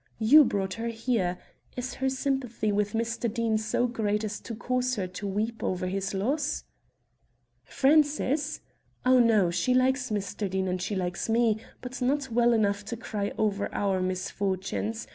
You brought her here. Is her sympathy with Mr. Deane so great as to cause her to weep over his loss?" "Frances? Oh, no. She likes Mr. Deane and she likes me, but not well enough to cry over our misfortunes.